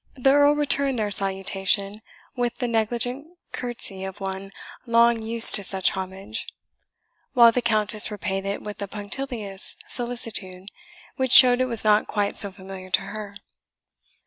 The Earl returned their salutation with the negligent courtesy of one long used to such homage; while the Countess repaid it with a punctilious solicitude, which showed it was not quite so familiar to her.